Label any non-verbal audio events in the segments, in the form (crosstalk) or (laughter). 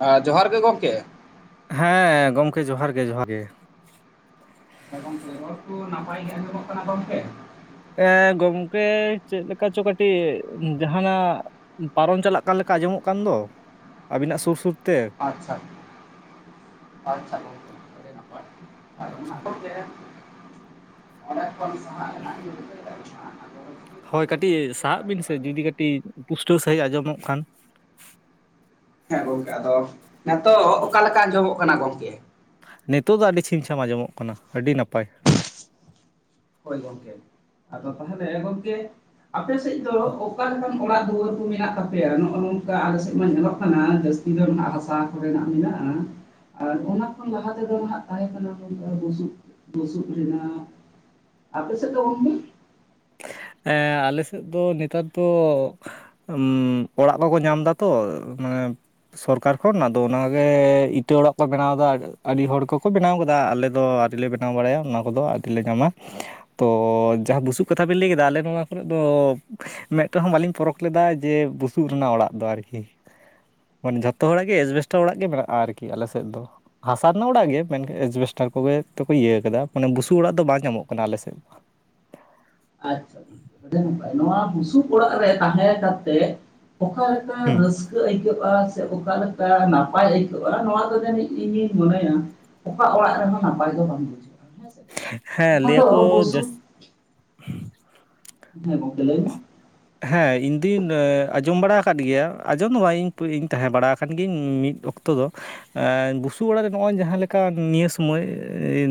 ᱦᱮᱸ, ᱡᱚᱦᱟᱨ ᱜᱮ ᱜᱚᱝᱠᱮ᱾ ᱦᱮᱸ ᱜᱚᱝᱠᱮ ᱡᱚᱦᱟᱨ ᱜᱮ, ᱡᱚᱦᱟᱨ ᱜᱮ᱾ ᱦᱮᱸ ᱜᱚᱝᱠᱮ ᱨᱚᱲ ᱛᱚ ᱱᱟᱯᱟᱭ ᱜᱮ ᱟᱸᱡᱚᱢᱚᱜ ᱠᱟᱱᱟ ᱜᱚᱝᱠᱮ? ᱮᱸᱻ ᱜᱚᱝᱠᱮ ᱪᱮᱫ ᱞᱮᱠᱟ ᱪᱚ ᱠᱟᱹᱴᱤᱡ ᱡᱟᱸᱦᱟᱱᱟᱜ ᱯᱟᱨᱚᱢ ᱪᱟᱞᱟᱜ ᱠᱟᱱ ᱞᱮᱠᱟ ᱟᱸᱡᱚᱢᱚᱜ ᱠᱟᱱ ᱫᱚ ᱟᱵᱤᱱᱟᱜ ᱥᱩᱨ ᱥᱩᱨ ᱛᱮ? ᱟᱪᱪᱷᱟ, ᱟᱪᱪᱷᱟ ᱜᱚᱝᱠᱮ ᱟᱹᱰᱤ ᱱᱟᱯᱟᱭ᱾ ᱟᱨ ᱚᱱᱟ ᱟᱪᱪᱷᱟ ᱠᱚᱜᱮ ᱚᱸᱰᱮ ᱠᱷᱚᱱ ᱥᱟᱦᱟᱜ ᱨᱮᱱᱟᱜ ᱧᱩᱛᱩᱢ (unintelligible) ᱦᱳᱭ ᱠᱟᱹᱴᱤᱡ ᱥᱟᱦᱟᱜ ᱵᱤᱱ ᱥᱮ ᱡᱩᱫᱤ ᱠᱟᱹᱴᱤᱡ ᱯᱩᱥᱴᱟᱹᱣ ᱥᱟᱺᱦᱤᱡ ᱟᱸᱡᱚᱢᱚᱜ ᱠᱷᱟᱱ᱾ ᱦᱮᱸ ᱜᱚᱝᱠᱮ ᱟᱫᱚ ᱱᱤᱛᱳᱜ ᱚᱠᱟ ᱞᱮᱠᱟ ᱟᱸᱡᱚᱢᱚᱜ ᱠᱟᱱᱟ ᱜᱚᱝᱠᱮ? ᱱᱤᱛᱳᱜ ᱫᱚ ᱟᱹᱰᱤ ᱪᱷᱤᱢ ᱪᱷᱟᱢ ᱟᱸᱡᱚᱢᱚᱜ ᱠᱟᱱᱟ ᱟᱹᱰᱤ ᱱᱟᱯᱟᱭ᱾ ᱦᱳᱭ ᱜᱚᱝᱠᱮ, ᱟᱫᱚ ᱛᱟᱦᱞᱮ ᱦᱮᱸ ᱜᱚᱝᱠᱮ ᱟᱯᱮ ᱥᱮᱡ ᱫᱚ ᱚᱠᱟ ᱞᱮᱠᱟᱱ ᱚᱲᱟᱜ ᱫᱩᱣᱟᱹᱨ ᱠᱚ ᱢᱮᱱᱟᱜ ᱛᱟᱯᱮᱭᱟ? ᱱᱚᱜ-ᱚ ᱱᱚᱝᱠᱟ ᱟᱞᱮ ᱥᱮᱡ ᱢᱟ ᱧᱮᱞᱚᱜ ᱠᱟᱱᱟ ᱡᱟᱹᱥᱛᱤ ᱧᱤᱫᱟᱹ ᱨᱮᱱᱟᱜ ᱨᱟᱥᱟ ᱠᱚᱨᱮᱱᱟᱜ ᱦᱚᱸ ᱢᱮᱱᱟᱜ-ᱟ᱾ ᱟᱨ ᱚᱱᱟ ᱠᱷᱚᱱ ᱞᱟᱦᱟ ᱛᱮᱫᱚ ᱱᱟᱦᱟᱜ ᱛᱟᱦᱮᱸᱠᱟᱱᱟ ᱜᱚᱝᱠᱮ ᱵᱩᱥᱩᱵ, ᱵᱩᱥᱩᱵ ᱨᱮᱱᱟᱜ᱾ ᱟᱯᱮ ᱥᱮᱫ ᱫᱚ ᱜᱚᱢᱠᱮ? ᱮᱸᱻ ᱟᱞᱮ ᱥᱮᱫ ᱫᱚ ᱱᱮᱛᱟᱨ ᱫᱚ ᱩᱸᱻ ᱚᱲᱟᱜ ᱵᱟᱠᱚ ᱧᱟᱢᱫᱟ ᱛᱚ ᱢᱟᱱᱮ ᱥᱚᱨᱠᱟᱨ ᱠᱷᱚᱱ ᱟᱫᱚ ᱚᱱᱟᱜᱮ ᱤᱴᱟᱹ ᱚᱲᱟᱜ ᱠᱚ ᱵᱮᱱᱟᱣᱫᱟ᱾ ᱟᱹᱰᱤ ᱦᱚᱲ ᱠᱚᱠᱚ ᱵᱮᱱᱟᱣ ᱠᱟᱫᱟ ᱟᱞᱮ ᱫᱚ ᱟᱹᱣᱨᱤ ᱞᱮ ᱵᱮᱱᱟᱣ ᱵᱟᱲᱟᱭᱟ ᱚᱱᱟ ᱠᱚᱫᱚ ᱟᱨᱤ ᱞᱮ ᱧᱟᱢᱟ᱾ ᱛᱚ, ᱡᱟᱦᱟᱸ ᱵᱩᱥᱩᱵ ᱠᱟᱛᱷᱟ ᱵᱮᱱ ᱞᱟᱹᱭ ᱠᱮᱫᱟ ᱟᱞᱮ ᱱᱚᱣᱟ ᱠᱚᱨᱮ ᱫᱚ ᱢᱮᱸᱫ ᱛᱮᱦᱚᱸ ᱵᱟᱹᱞᱤᱧ ᱯᱚᱨᱚᱠ ᱞᱮᱫᱟ ᱡᱮ ᱵᱩᱥᱩᱵ ᱨᱮᱱᱟᱜ ᱚᱲᱟᱜ ᱫᱚ ᱟᱨᱠᱤ᱾ ᱢᱟᱱᱮ ᱡᱷᱚᱛᱚ ᱦᱚᱲᱟᱜ ᱜᱮ ᱮᱥᱵᱮᱥᱴᱟ ᱚᱲᱟᱜ ᱜᱮ ᱢᱮᱱᱟᱜ-ᱟ ᱟᱨᱠᱤ ᱟᱞᱮ ᱥᱮᱫ ᱫᱚ᱾ ᱦᱟᱥᱟ ᱨᱮᱱᱟᱜ ᱚᱲᱟᱜ ᱜᱮ ᱢᱮᱱᱠᱷᱟᱱ ᱮᱥᱵᱮᱥᱴᱟᱨ ᱠᱚᱜᱮ ᱛᱮᱠᱚ ᱤᱭᱟᱹ ᱠᱟᱫᱟ ᱢᱟᱱᱮ ᱵᱩᱥᱩᱵ ᱚᱲᱟᱜ ᱫᱚ ᱵᱟᱝ ᱧᱟᱢᱚᱜ ᱠᱟᱱᱟ ᱟᱞᱮ ᱥᱮᱫ ᱫᱚ᱾ ᱟᱪᱪᱷᱟ᱾ ᱟᱹᱰᱤ ᱱᱟᱯᱟᱭ ᱱᱚᱣᱟ ᱵᱩᱥᱩᱵ ᱚᱲᱟᱜ ᱨᱮ ᱛᱟᱦᱮᱸ ᱠᱟᱛᱮᱜ ᱚᱠᱟᱞᱮᱠᱟ ᱦᱩᱸ ᱨᱟᱹᱥᱠᱟᱹ ᱟᱹᱭᱠᱟᱹᱜ-ᱟ ᱥᱮ ᱚᱠᱟᱞᱮᱠᱟ ᱞᱮᱠᱟ ᱱᱟᱯᱟᱭ ᱟᱹᱭᱠᱟᱹᱜ-ᱟ ᱱᱚᱣᱟ ᱫᱚ ᱡᱟᱹᱱᱤᱡ ᱤᱧᱤᱧ ᱢᱚᱱᱮᱭᱟ ᱚᱠᱟ ᱚᱲᱟᱜ ᱨᱮᱦᱚᱸ ᱱᱟᱯᱟᱭ ᱫᱚ ᱵᱟᱝ ᱵᱩᱡᱷᱟᱹᱜ-ᱟ ᱦᱮᱸ ᱥᱮ ᱦᱮᱸ ᱚᱱᱟ ᱫᱚ ᱞᱟᱹᱭᱟᱠᱚ ᱵᱩᱥᱩᱵ ᱡᱟᱹᱥ (inaudible) ᱦᱮ ᱜᱚᱝᱠᱮ ᱞᱟᱭ ᱵᱤᱱ? ᱦᱮᱸ ᱤᱧᱫᱩᱧ ᱟᱸᱡᱚᱢ ᱵᱟᱲᱟ ᱟᱠᱟᱫ ᱜᱮᱭᱟ, ᱟᱸᱡᱚᱢ ᱫᱚ ᱵᱟᱝ ᱤᱧ ᱤᱧ ᱛᱟᱦᱮᱸ ᱵᱟᱲᱟ ᱟᱠᱟᱱ ᱜᱤᱭᱟᱹᱧ ᱢᱤᱫ ᱚᱠᱛᱚ ᱛᱚ ᱫᱚ ᱮᱸᱻ ᱵᱩᱥᱩᱵ ᱚᱲᱟᱨ ᱨᱮ ᱱᱚᱜ-ᱚᱭ ᱡᱟᱦᱟᱸ ᱞᱮᱠᱟ ᱱᱤᱭᱟᱹ ᱥᱚᱢᱚᱭ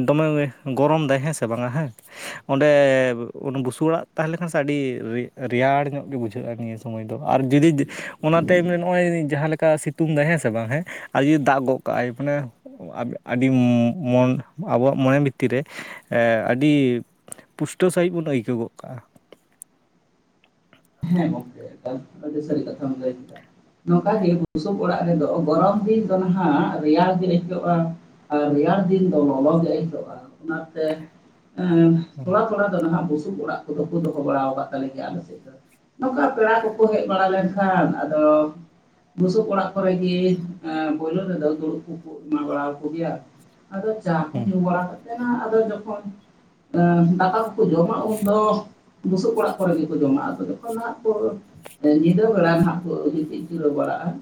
ᱫᱚᱢᱮ ᱜᱚᱨᱚᱢᱫᱟᱭ ᱦᱮᱸ ᱥᱮ ᱵᱟᱝᱟ ᱦᱮᱸ ᱚᱸᱰᱮ ᱵᱩᱥᱩᱵ ᱚᱲᱟᱜ ᱛᱟᱦᱮᱸ ᱞᱮᱠᱷᱟᱱ ᱥᱮ ᱟᱹᱰᱤ ᱨᱮ ᱨᱮᱭᱟᱲ ᱧᱚᱜ ᱜᱮ ᱵᱩᱡᱷᱟᱹᱜ-ᱟ ᱱᱤᱭᱟᱹ ᱥᱚᱢᱚᱭ ᱫᱚ ᱟᱨ ᱡᱩᱫᱤ ᱚᱱᱟ ᱴᱟᱭᱤᱢ ᱨᱮ ᱱᱚᱜᱼᱚᱭ ᱡᱟᱦᱟᱸ ᱞᱮᱠᱟ ᱥᱤᱛ ᱛᱩᱝ ᱫᱟᱭ ᱦᱮᱸ ᱥᱮ ᱵᱟᱝ ᱦᱮᱸ, ᱟᱨ ᱡᱩᱫᱤ ᱫᱟᱜ ᱜᱚᱜ ᱠᱟᱜ-ᱟᱭ ᱢᱟᱱᱮ ᱟᱹᱰ, ᱟᱹᱰᱤ ᱢᱚᱱ ᱟᱵᱚᱣᱟᱜ ᱢᱚᱱᱮ ᱵᱷᱤᱛᱤᱨ ᱨᱮ ᱟᱹᱰᱤ ᱯᱩᱥᱴᱟᱹ ᱥᱟᱺᱦᱤᱡ ᱵᱚᱱ ᱟᱹᱭᱠᱟᱹᱣ ᱜᱚᱫ ᱠᱟᱜ-ᱟ᱾ ᱦᱮᱸ ᱜᱚᱝᱠᱮ ᱟᱹᱰᱤ ᱥᱟᱹᱨᱤ ᱠᱟᱛᱷᱟᱢ ᱞᱟᱹᱭ ᱠᱮᱫᱟ᱾ ᱱᱚᱝᱠᱟ ᱜᱮ ᱵᱩᱥᱩᱵ ᱚᱲᱟᱜ ᱨᱮᱫᱚ ᱜᱚᱨᱚᱢ ᱫᱤᱱ ᱫᱚ ᱱᱟᱦᱟᱜ ᱨᱮᱭᱟᱲ ᱜᱮ ᱟᱹᱭᱠᱟᱹᱜ-ᱟ᱾ ᱟᱨ ᱨᱮᱭᱟᱲ ᱫᱤᱱ ᱫᱚ ᱞᱚᱞᱚᱜ ᱜᱮ ᱟᱹᱭᱠᱟᱹᱜᱼᱟ ᱚᱱᱟᱛᱮ ᱮᱸ ᱛᱷᱚᱲᱟ ᱛᱷᱚᱲᱟ ᱫᱚ ᱱᱟᱦᱟᱸᱜ ᱵᱩᱥᱩᱵ ᱚᱲᱟᱜ ᱠᱚᱫᱚ ᱠᱚ ᱫᱚᱦᱚ ᱵᱟᱲᱟᱟᱣ ᱟᱠᱟᱫ ᱛᱟᱞᱮ ᱜᱮᱭᱟ ᱟᱞᱮ ᱥᱮᱫ ᱫᱚ ᱾ ᱱᱚᱝᱠᱟ ᱯᱮᱲᱟ ᱠᱚᱠᱚ ᱦᱮᱡ ᱵᱟᱲᱟ ᱞᱮᱱᱠᱷᱟᱱ ᱟᱫᱚ ᱵᱩᱥᱩᱵ ᱚᱲᱟᱜ ᱠᱚᱨᱮ ᱜᱤ ᱮᱸ ᱯᱟᱹᱭᱞᱳ ᱨᱮᱫᱚ ᱫᱩᱲᱩᱵ ᱠᱚᱠᱚ ᱮᱢᱟ ᱵᱟᱲᱟ ᱠᱚᱜᱮᱭᱟ, ᱟᱫᱚ ᱪᱟ ᱠᱚ ᱦᱮᱸ ᱧᱩ ᱵᱟᱲᱟ ᱠᱟᱛᱮ ᱦᱟᱸᱜ ᱟᱫᱚ ᱡᱚᱠᱷᱚᱱ ᱫᱟᱠᱟ ᱠᱚᱠᱚ ᱡᱚᱢᱟ ᱩᱱᱫᱚ ᱵᱩᱥᱩᱵ ᱚᱲᱟᱜ ᱠᱚᱨᱮ ᱜᱮᱠᱚ ᱡᱚᱢᱟ, ᱟᱨᱠᱚᱫᱚ ᱦᱟᱸᱜ ᱠᱚ ᱧᱤᱫᱟᱹ ᱵᱮᱲᱟ ᱦᱟᱸᱜ ᱠᱚ ᱜᱤᱛᱤᱡ ᱡᱤᱨᱟᱹᱣ ᱵᱟᱲᱟᱜᱼᱟ ᱾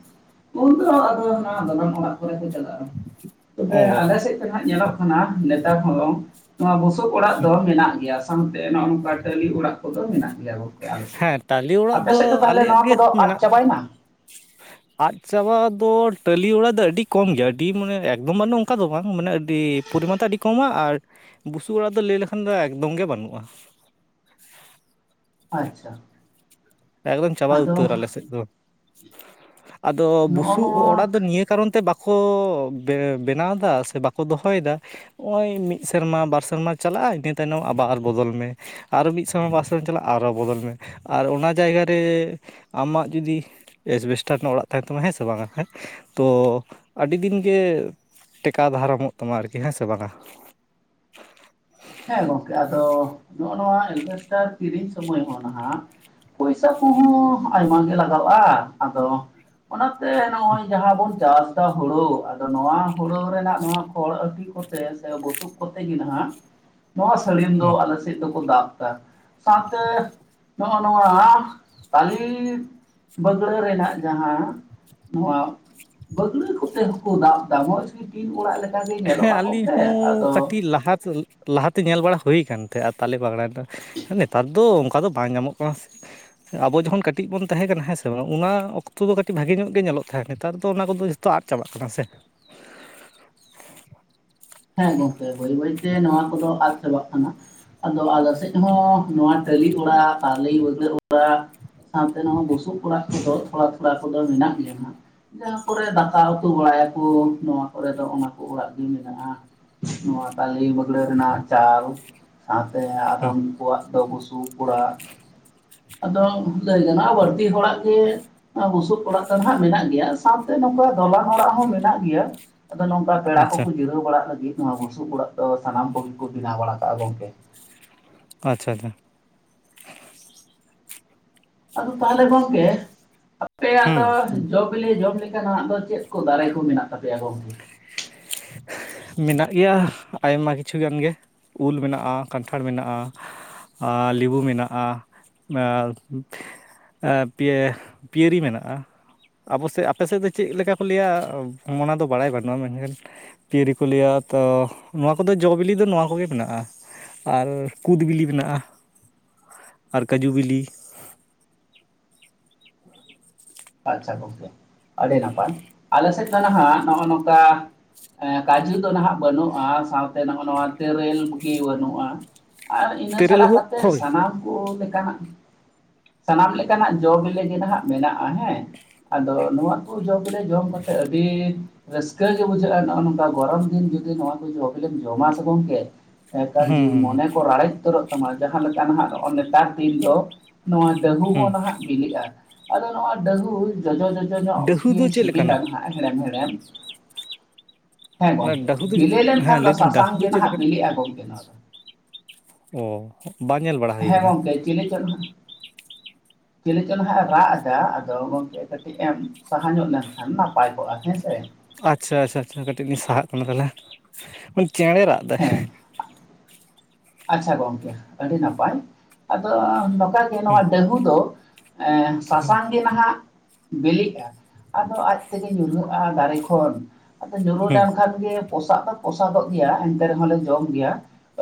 ᱩᱱ ᱫᱚ ᱟᱫᱚ ᱦᱟᱸᱱᱟ ᱫᱟᱞᱟᱢ ᱚᱲᱟᱜ ᱠᱚᱨᱮ ᱠᱚ ᱪᱟᱞᱟᱜᱼᱟ᱾ ᱚ ᱛᱚᱵᱮ ᱟᱞᱮ ᱥᱮᱫ ᱛᱮ ᱦᱟᱸᱜ ᱧᱮᱞᱚᱜ ᱠᱟᱱᱟ ᱱᱮᱛᱟᱨ ᱦᱚᱸ ᱱᱚᱣᱟ ᱵᱩ ᱵᱩᱥᱩᱵ ᱚᱲᱟᱜ ᱫᱚ ᱢᱮᱱᱟᱜ ᱜᱮᱭᱟ ᱥᱟᱶᱛᱮ ᱱᱚᱸᱜᱼᱚ ᱱᱚᱝᱠᱟ ᱴᱟᱹᱞᱤ ᱚᱲᱟᱜ ᱠᱚᱫᱚ ᱢᱮᱱᱟᱜ ᱜᱮᱭᱟ ᱜᱚᱝᱠᱮ ᱟᱞᱮ ᱥᱮᱫ ᱾ ᱮᱸ ᱛᱟᱞᱤ ᱟᱯᱮ ᱥᱮᱫ ᱫᱚ ᱛᱟᱦᱚᱞᱮ ᱱᱚᱣᱟ ᱠᱚᱫᱚ ᱟᱫ ᱪᱟᱵᱟᱭᱱᱟ? ᱟᱫ ᱪᱟᱵᱟ ᱫᱚ ᱴᱟᱹᱞᱤ ᱚᱲᱟᱜ ᱫᱚ ᱟᱹᱰᱤ ᱠᱚᱢ ᱜᱮᱭᱟ ᱟᱹᱰᱤ ᱢᱟᱱᱮ ᱮᱠᱫᱚᱢ ᱵᱟᱱᱩᱜ-ᱟ ᱚᱱᱠᱟ ᱫᱚ ᱵᱟᱝ ᱢᱟᱱᱮ ᱟᱹᱰᱤ ᱯᱚᱨᱤᱢᱟᱱ ᱫᱚ ᱟᱹᱰᱤ ᱠᱚᱢᱟ ᱟᱨ ᱵᱩᱥᱩᱵ ᱚᱲᱟᱜ ᱫᱚ ᱞᱟᱹᱭ ᱞᱮᱠᱷᱟᱱ ᱫᱚ ᱮᱠᱫᱚᱢ ᱜᱮ ᱵᱟᱹᱱᱩᱜᱼᱟ ᱾ ᱟᱪᱪᱷᱟ ᱾ ᱮᱠᱫᱚᱢ ᱪᱟᱵᱟ ᱩᱛᱟᱹᱨ ᱟᱞᱮ ᱥᱮᱫ ᱫᱚ, ᱟᱫᱚ ᱱᱚᱜᱼᱚ ᱵᱩᱥᱩᱵ ᱚᱲᱟᱜ ᱱᱚᱣᱟ ᱫᱚ ᱱᱤᱭᱟᱹ ᱠᱟᱨᱚᱱ ᱛᱮ ᱵᱟᱠᱚ ᱜᱮ ᱵᱮᱱᱟᱣ ᱫᱟ ᱥᱮ ᱵᱟᱠᱚ ᱫᱚᱦᱚᱭᱫᱟ ᱱᱚᱸᱜᱼᱚᱭ ᱢᱤᱫ ᱥᱮᱨᱢᱟ ᱵᱟᱨ ᱥᱮᱨᱢᱟ ᱪᱟᱞᱟᱜᱼᱟ ᱤᱱᱟᱹ ᱛᱟᱭᱱᱚᱢ ᱟᱵᱟᱨ ᱵᱚᱫᱚᱞ ᱢᱮ ᱾ ᱟᱨᱚ ᱢᱤᱫ ᱥᱮᱨᱢᱟ ᱵᱟᱨ ᱥᱮᱨᱢᱟ ᱪᱟᱞᱟᱜᱼᱟ ᱟᱨᱚ ᱵᱚᱫᱚᱞ ᱢᱮ ᱟᱨ ᱚᱱᱟ ᱡᱟᱭᱜᱟ ᱨᱮ ᱟᱢᱟᱜ ᱡᱩᱫᱤ ᱮᱥᱵᱮᱥᱴᱟᱨ ᱨᱮᱱᱟᱜ ᱚᱲᱟᱜ ᱛᱟᱦᱮᱸᱱ ᱛᱟᱢᱟ ᱦᱮᱸ ᱥᱮ ᱵᱟᱝᱟ ᱦᱮᱸ, ᱛᱚ ᱟᱹᱰᱤ ᱫᱤᱱ ᱜᱮ ᱴᱮᱠᱟᱣ ᱫᱷᱟᱨᱟᱢᱚᱜ ᱛᱟᱢᱟ ᱟᱨᱠᱤ ᱦᱮᱸ ᱥᱮ ᱵᱟᱝᱼᱟ? ᱦᱮᱸ ᱜᱚᱝᱠᱮ ᱟᱫᱚ ᱱᱚᱸᱜᱼᱚ ᱱᱚᱣᱟ ᱮᱰᱵᱮᱥᱴᱟᱨ ᱠᱤᱨᱤᱧ ᱥᱚᱢᱚᱭ ᱦᱚᱸ ᱱᱟᱦᱟᱸᱜ ᱯᱩᱭᱥᱟ ᱠᱚᱦᱚᱸ ᱟᱭᱢᱟ ᱜᱮ ᱞᱟᱜᱟᱣᱼᱟ ᱟᱫᱚ ᱚᱱᱟᱛᱮ ᱱᱚᱸᱜᱼᱚᱭ ᱡᱟᱦᱟᱸ ᱵᱚᱱ ᱪᱟᱥ ᱫᱟ ᱦᱩᱲᱳ ᱟᱫᱚ ᱱᱚᱣᱟ ᱦᱩᱲᱳ ᱨᱮᱱᱟᱜ ᱱᱚᱣᱟ ᱠᱷᱚᱲ ᱟᱴᱤ ᱠᱚᱛᱮ ᱥᱮ ᱵᱩᱥᱩᱵ ᱠᱚᱛᱮ ᱜᱮ ᱱᱟᱦᱟᱸᱜ ᱱᱚᱣᱟ ᱥᱟᱹᱲᱤᱢ ᱫᱚ ᱦᱮᱸ ᱟᱞᱮ (unintelligible) ᱫᱚᱠᱚ ᱫᱟᱵ ᱫᱟ ᱥᱟᱶᱛᱮ ᱱᱚᱸᱜᱼᱚᱭ ᱱᱚᱣᱟ ᱴᱟᱞᱤ ᱵᱟᱹᱜᱲᱟᱹ ᱨᱮᱱᱟᱜ ᱡᱟᱦᱟᱸ ᱱᱚᱣᱟ ᱵᱟᱹᱜᱲᱟᱹ ᱠᱚᱛᱮ ᱦᱚᱸᱠᱚ ᱫᱟᱵ ᱫᱟ ᱢᱚᱡᱽ ᱜᱮ ᱴᱤᱱ ᱚᱲᱟᱜ ᱞᱮᱠᱟᱜᱮ ᱦᱮᱸ ᱧᱮᱞᱚᱜᱼᱟ ᱟᱹᱞᱤᱧ ᱜᱚᱢᱠᱮ, ᱦᱚᱸ ᱟᱫᱚ ᱠᱟᱹᱴᱤᱡ ᱞᱟᱦᱟ (unintelligible) ᱞᱟᱦᱟᱛᱮ ᱧᱮᱞ ᱵᱟᱲᱟ ᱦᱩᱭ ᱠᱟᱱ ᱛᱟᱦᱮᱸᱫ ᱟᱨ ᱛᱟᱞᱮ ᱯᱟᱜᱲᱟ ᱴᱟ ᱱᱮᱛᱟᱨ ᱫᱚ ᱚᱱᱠᱟ ᱫᱚ ᱵᱟᱝ ᱧᱟᱢᱚᱜ ᱠᱟᱱᱟ ᱥᱮ, ᱟᱵᱚ ᱡᱚᱠᱷᱚᱱ ᱠᱟᱹᱴᱤᱡ ᱵᱚᱱ ᱛᱟᱦᱮᱸ ᱠᱟᱱᱟ ᱦᱮᱸ ᱥᱮ ᱵᱟᱝ ᱚᱱᱟ ᱚᱠᱛᱚ ᱫᱚ ᱠᱟᱹᱴᱤᱡ ᱵᱷᱟᱜᱮ ᱧᱚᱜ ᱜᱮ ᱧᱮᱞᱚᱜ ᱛᱟᱦᱮᱸᱫ ᱱᱮᱛᱟᱨ ᱫᱚ ᱚᱱᱟ ᱠᱚᱫᱚ ᱡᱷᱚ ᱛᱚ ᱟᱫ ᱪᱟᱵᱟᱜ ᱠᱟᱱᱟ ᱥᱮ? ᱦᱮᱸ ᱜᱚᱝᱠᱮ ᱵᱟᱹᱭ ᱵᱟᱹᱭᱛᱮ ᱱᱚᱣᱟ ᱠᱚᱫᱚ ᱟᱫ ᱪᱟᱵᱟᱜ ᱠᱟᱱᱟ᱾ ᱟᱫᱚ ᱟᱞᱮ ᱥᱮᱫ ᱦᱚᱸ ᱱᱚᱣᱟ ᱴᱟᱹᱞᱤ ᱚᱲᱟᱜ ᱛᱟᱞᱮ ᱵᱟᱹᱜᱲᱟᱹ ᱚᱲᱟᱜ ᱥᱟᱶᱛᱮ ᱱᱚᱣᱟ ᱵᱩᱥᱩᱵ ᱚᱲᱟᱜ ᱠᱚᱫᱚ ᱛᱷᱚᱲᱟ ᱛᱷᱚᱲᱟ ᱠᱚᱫᱚ ᱢᱮᱱᱟᱜ ᱜᱮᱭᱟ ᱦᱟᱸᱜ᱾ ᱡᱟᱦᱟᱸ ᱠᱚᱨᱮ ᱫᱟᱠᱟ ᱩᱛᱩ ᱵᱟᱲᱟᱭᱟᱠᱚ ᱱᱚᱣᱟ ᱠᱚᱨᱮ ᱫᱚ ᱚᱱᱟᱠᱚ ᱚᱲᱟᱜ ᱜᱤ ᱢᱮᱱᱟᱜᱼᱟ᱾ ᱱᱚᱣᱟ ᱛᱟᱞᱮ ᱵᱟᱹᱜᱲᱟᱹ ᱨᱮᱱᱟᱜ ᱪᱟᱞ ᱥᱟᱶᱛᱮ ᱦᱩᱸ ᱟᱫᱚᱢ ᱠᱚᱣᱟᱜ ᱟᱫᱚ ᱵᱩᱥᱩᱵ ᱚᱲᱟᱜ ᱟᱫᱚ ᱞᱟᱹᱭ ᱜᱟᱱᱚᱜᱼᱟ ᱵᱟᱹᱲᱛᱤ ᱦᱚᱲᱟᱜ ᱜᱮ ᱵᱩᱥᱩᱵ ᱚᱲᱟᱜ ᱫᱚ ᱱᱟᱦᱟᱸᱜ ᱢᱮᱱᱟᱜ ᱜᱮᱭᱟ ᱥᱟᱶᱛᱮ ᱱᱚᱝᱠᱟ ᱫᱚᱞᱟᱱ ᱚᱲᱟᱜ ᱦᱚᱸ ᱢᱮᱱᱟᱜ ᱜᱮᱭᱟ᱾ ᱟᱫᱚ ᱱᱚᱝᱠᱟ ᱯᱮᱲᱟ ᱟᱪᱪᱷᱟ ᱠᱚᱠᱚ ᱡᱤᱨᱟᱹᱣ ᱵᱟᱲᱟᱜ ᱞᱟᱹᱜᱤᱫ ᱱᱚᱣᱟ ᱵᱩᱥᱩᱵ ᱚᱲᱟᱜ ᱫᱚ ᱥᱟᱱᱟᱢ ᱠᱚᱜᱮ ᱠᱚ ᱵᱮᱱᱟᱣ ᱵᱟᱲᱟ ᱠᱟᱜᱼᱟ ᱜᱚᱝᱠᱮ᱾ ᱟᱪᱪᱷᱟ ᱟᱪᱷᱟ ᱾ ᱟᱫᱚ ᱛᱟᱦᱞᱮ ᱜᱚᱝᱠᱮ ᱟᱯᱮᱭᱟᱜ ᱦᱩᱸ ᱫᱚ ᱡᱚ ᱵᱤᱞᱤ ᱡᱚᱢ ᱞᱮᱠᱟᱱᱟᱜ ᱫᱚ ᱪᱮᱫ ᱠᱚ ᱫᱟᱨᱮ ᱠᱚ ᱢᱮᱱᱟᱜ ᱛᱟᱯᱮᱭᱟ ᱜᱚᱢᱠᱮ? (inaudible) ᱢᱮᱱᱟᱜ ᱜᱮᱭᱟ ᱟᱭᱢᱟ ᱠᱤᱪᱷᱩ ᱜᱟᱱ ᱜᱮ᱾ ᱩᱞ ᱢᱮᱱᱟᱜᱼᱟ ᱠᱟᱱᱴᱷᱟᱲ ᱢᱮᱱᱟᱜᱼᱟ ᱟ ᱞᱮᱵᱩ ᱢᱮᱱᱟᱜᱼᱟ (unintelligible) ᱟ ᱯᱮ ᱯᱤᱭᱟᱹᱨᱤ ᱢᱮᱱᱟᱜᱼᱟ ᱟᱵᱚ ᱥᱮᱫ ᱟᱯᱮ ᱥᱮᱫ ᱫᱚ ᱪᱮᱫ ᱞᱮᱠᱟ ᱠᱚ ᱞᱟᱹᱭᱟ ᱚᱱᱟ ᱫᱚ ᱵᱟᱲᱟᱭ ᱵᱟᱹᱱᱩᱜᱼᱟ ᱯᱤᱭᱟᱹᱨᱤ ᱠᱚ ᱞᱟᱹᱭᱟ ᱛᱚ ᱱᱚᱣᱟ ᱠᱚᱫᱚ ᱡᱚ ᱵᱤᱞᱤ ᱫᱚ ᱱᱚᱣᱟ ᱠᱚᱜᱮ ᱢᱮᱱᱟᱜᱼᱟ ᱟᱨ ᱠᱩᱫ ᱵᱤᱞᱤ ᱢᱮᱱᱟᱜᱼᱟ ᱟᱨ ᱠᱟᱹᱡᱩ ᱵᱤᱞᱤ ᱟᱪᱪᱷᱟ ᱜᱚᱝᱠᱮ ᱟᱹᱰᱤ ᱱᱟᱯᱟᱭ ᱟᱞᱮ ᱥᱮᱫ ᱫᱚ ᱱᱟᱦᱟᱜ ᱱᱚᱜᱼᱚ ᱱᱚᱝᱠᱟ ᱠᱟᱡᱩ ᱫᱚ ᱱᱟᱦᱟᱜ ᱵᱟᱹᱱᱩᱜᱼᱟ ᱥᱟᱶᱛᱮ ᱱᱚᱜᱼᱚ ᱱᱚᱣᱟ ᱛᱮᱨᱮᱞ ᱠᱩᱜᱮ ᱵᱟᱹᱱᱩᱜᱼᱟ ᱟᱨ ᱤᱱᱟᱹ ᱛᱮᱨᱮᱞ ᱪᱷᱟᱲᱟ ᱠᱟᱛᱮᱫ ᱦᱳᱭ ᱥᱟᱱᱟᱢ ᱠᱚ ᱞᱮᱠᱟᱱᱟᱜ ᱥᱟᱱᱟᱢ ᱞᱮᱠᱟᱱᱟᱜ ᱡᱚ ᱵᱤᱞᱤ ᱜᱮ ᱱᱟᱦᱟᱜ ᱢᱮᱱᱟᱜᱼᱟ ᱦᱮᱸ ᱟᱫᱚ ᱱᱚᱣᱟ ᱠᱚ ᱡᱚᱢ ᱵᱤᱞᱮ ᱡᱚᱢ ᱠᱟᱛᱮᱫ ᱟᱹᱰᱤ ᱨᱟᱹᱥᱠᱟᱹ ᱜᱮ ᱵᱩᱡᱷᱟᱹᱜᱼᱟ ᱱᱚᱜᱼᱚ ᱱᱚᱝᱠᱟ ᱜᱚᱨᱚᱢ ᱫᱤᱱ ᱡᱩᱫᱤ ᱱᱚᱣᱟ ᱠᱚ ᱡᱚᱵᱤᱞᱤᱢ ᱡᱚᱢᱟ ᱥᱮ ᱜᱚᱝᱠᱮ ᱮᱠᱟᱞ ᱦᱩᱸ ᱡᱤᱣᱤ ᱦᱩᱸ ᱢᱚᱱᱮ ᱠᱚ ᱨᱟᱲᱮᱡ ᱩᱛᱟᱹᱨᱚᱜ ᱛᱟᱢᱟ ᱡᱟᱦᱟᱸ ᱞᱮᱠᱟ ᱱᱟᱦᱟᱜ ᱱᱚᱜᱼᱚᱭ ᱱᱮᱛᱟᱨ ᱫᱤᱱ ᱫᱚ ᱱᱚᱣᱟ ᱦᱩᱸ (unintelligible) ᱱᱟᱦᱟᱜ ᱵᱤᱞᱤᱜᱼᱟ ᱟᱫᱚ ᱱᱚᱣᱟ ᱰᱟᱹᱦᱩ ᱡᱚᱡᱚ ᱡᱚᱡᱚ ᱧᱚᱜ ᱰᱟᱹᱦᱩ ᱜᱮ ᱫᱚ ᱪᱮᱫ ᱥᱤᱵᱤᱞᱟ ᱞᱮᱠᱟᱱᱟ ᱦᱟᱜ ᱦᱮᱲᱮᱢ ᱦᱮᱲᱮᱢ ᱦᱮᱸ ᱚᱱᱟ ᱜᱚᱝᱠᱮ ᱰᱟᱹᱦᱩ ᱫᱚ ᱵᱤᱞᱤ ᱞᱮᱱᱠᱷᱟᱱ ᱦᱮᱸ ᱫᱚ ᱞᱟᱹᱭᱫᱟᱹᱧ ᱥᱟᱥᱟᱝ ᱰᱟᱹᱦᱩ ᱫᱚ ᱜᱮ ᱪᱮᱫ ᱱᱟᱦᱟᱜ ᱞᱮᱠᱟᱱᱟ ᱵᱤᱞᱤᱜᱼᱟ ᱜᱚᱝᱠᱮ ᱱᱚᱣᱟ ᱫᱚ ᱚ ᱵᱟᱝ ᱧᱮᱞ ᱵᱟᱲᱟ ᱦᱩᱭ ᱠᱟᱱᱟ (unintelligible) ᱪᱮᱞᱤ ᱪᱚ ᱱᱟᱦᱟᱸᱜ ᱮ ᱨᱟᱜ ᱮᱫᱟ ᱟᱫᱚ ᱜᱚᱝᱠᱮ ᱠᱟᱹᱴᱤᱡ ᱮᱢ ᱥᱟᱦᱟ ᱧᱚᱜ ᱞᱮᱱᱠᱷᱟᱱ ᱱᱟᱯᱟᱭ ᱠᱚᱜᱼᱟ ᱦᱮᱸᱥᱮ ᱟᱪᱪᱷᱟ ᱟᱪᱪᱷᱟ ᱠᱟᱹᱴᱤᱡ ᱞᱤᱧ ᱥᱟᱦᱟᱜ ᱠᱟᱱᱟ ᱛᱟᱦᱞᱮ (unintelligible) ᱪᱮᱬᱮ ᱨᱟᱜ ᱫᱟ ᱦᱮᱸ ᱟᱪᱪᱷᱟ ᱜᱚᱝᱠᱮ ᱟᱹᱰᱤ ᱱᱟᱯᱟᱭ ᱟᱫᱚ ᱱᱟᱯᱟᱭ ᱫᱚ ᱦᱩᱸ ᱱᱟᱦᱟᱜ ᱵᱟ. ᱧ ᱫᱚ ᱮ ᱥᱟᱥᱟᱝ ᱜᱮ ᱱᱟᱦᱟᱜ ᱵᱤᱞᱤᱜᱼᱟ ᱟᱫᱚ ᱟᱡᱛᱮᱜᱮ ᱧᱩᱨᱦᱩᱜᱼᱟ ᱫᱟᱨᱮ ᱠᱷᱚᱱ ᱟᱫᱚ ᱧᱩᱨᱩ ᱦᱩᱸ ᱠᱷᱟᱱᱜᱮ ᱯᱚᱥᱟᱜ ᱫᱚ ᱯᱚᱥᱟᱜᱚᱜ ᱜᱮᱭᱟ ᱮᱱᱛᱮ ᱨᱮᱦᱚᱸ ᱞᱮ ᱡᱚᱢ ᱜᱮᱭᱟ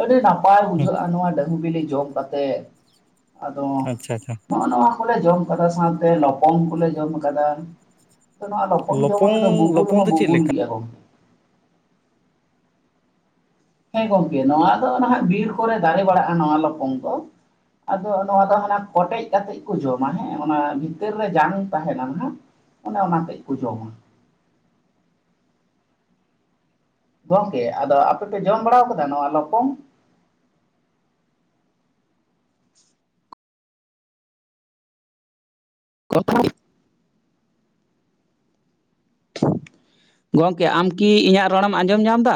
ᱟᱹᱰᱤ ᱱᱟᱼᱼ ᱯᱟᱭ ᱦᱩᱸ ᱵᱩᱡᱷᱟᱹᱜᱼᱟ ᱱᱚᱣᱟ ᱰᱟᱹᱦᱩ ᱵᱤᱞᱤ ᱡᱚᱢ ᱠᱟᱛᱮ ᱟᱫᱚ ᱟᱪᱪᱷᱟ ᱟᱪᱪᱷᱟ ᱦᱚᱜᱼᱚ ᱱᱚᱣᱟ ᱠᱚᱞᱮ ᱡᱚᱢ ᱠᱟᱫᱟ ᱥᱟᱶᱛᱮ ᱞᱟᱯᱟᱝ (unintelligible) ᱠᱚᱞᱮ ᱡᱚᱢ ᱟᱠᱟᱫᱟ ᱚᱱᱟ ᱫᱚᱵᱚᱱ ᱡᱚᱢ ᱞᱚᱯᱚᱝ ᱨᱮᱫᱚ ᱵᱩᱵᱩᱞ ᱞᱚᱯᱚᱝ ᱦᱚᱸ ᱫᱚ ᱪᱮᱫ ᱵᱩᱵᱩᱞ ᱞᱮᱠᱟ ᱜᱮᱭᱟ ᱜᱚᱝ ᱦᱮᱸ ᱜᱚᱝᱠᱮ ᱱᱚᱣᱟ ᱫᱚ ᱱᱟᱦᱟᱜ ᱵᱤᱨ ᱠᱚᱨᱮ ᱫᱟᱨᱮ ᱵᱟᱲᱟᱜᱼᱟ ᱱᱚᱣᱟ ᱞᱚᱯᱚᱝ ᱫᱚ ᱟᱫᱚ ᱱᱚᱣᱟ ᱫᱚ ᱦᱟᱱᱟ ᱠᱚᱴᱮᱡ ᱠᱟᱛᱮᱜ ᱠᱚ ᱡᱚᱢᱟ ᱦᱮᱸ ᱚᱱᱟ ᱵᱷᱤᱛᱟᱹᱨ ᱨᱮ ᱡᱟᱝ ᱛᱟᱦᱮᱱᱟ ᱱᱟᱜ ᱚᱱᱮ ᱚᱱᱟ ᱠᱟᱹᱡ ᱠᱚ ᱡᱚᱢᱟ ᱜᱚᱝᱠᱮ ᱟᱫᱚ ᱟᱯᱮᱯᱮ ᱡᱚᱢ ᱵᱟᱲᱟ ᱟᱠᱟᱫᱟ ᱱᱚᱣᱟ ᱞᱚᱯᱚᱝ (unintelligible) (inaudible) ᱜᱚᱝᱠᱮ ᱟᱢᱠᱤ ᱤᱧᱟᱹᱜ ᱨᱚᱲᱮᱢ ᱟᱸᱡᱚᱢ ᱧᱟᱢᱫᱟ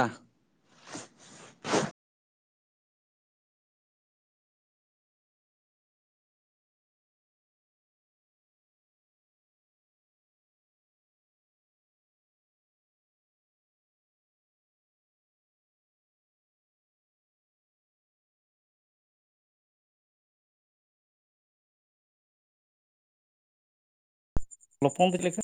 ᱞᱚᱯᱳᱝ ᱵᱤᱨᱤᱫ ᱟᱠᱚ